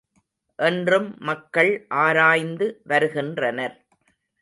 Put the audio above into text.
என்றும் மக்கள் ஆராய்ந்து வருகின்றனர்.